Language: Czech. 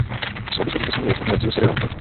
Svatby se zúčastnili i ostatní herci ze seriálu.